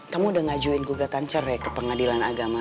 kamu udah ngajuin gugatan cerai ke pengadilan agama